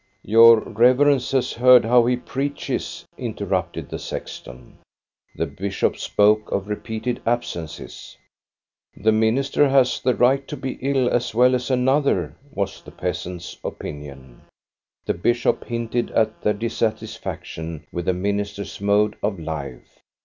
" Your Reverence has heard how he preaches," in terrupted the sexton. The bishop spoke of repeated absences. "The minister has the right to be ill, as well as another," was the peasants' opinion. The bishop hinted at their dissatisfaction with the minister's mode of life.